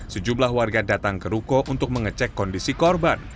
sejumlah warga datang ke ruko untuk mengecek kondisi korban